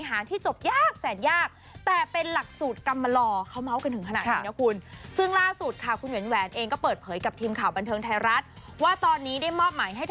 เกี่ยวกับประเด็นน่ะจบการศึกษากำมะลองใช่